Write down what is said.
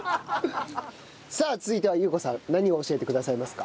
さあ続いては憂子さん何を教えてくださいますか？